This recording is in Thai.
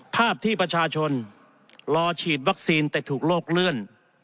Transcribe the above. ภาพที่ประชาชนรอฉีดวัคซีนแต่ถูกโลกเลื่อน